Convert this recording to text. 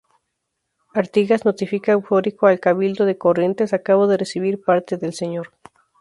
Artigas notifica eufórico al Cabildo de Corrientes; "Acabo de recibir parte del Sr.